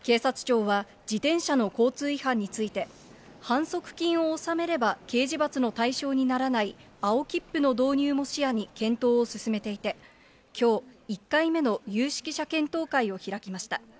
警察庁は、自転車の交通違反について、反則金を納めれば刑事罰の対象にならない青切符の導入も視野に検討を進めていて、きょう、１回目の有識者検討会を開きました。